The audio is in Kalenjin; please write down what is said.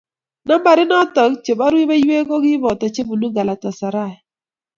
Nambarit noto che bo rubeiweek ko kiboto che bunuu Galatasaray.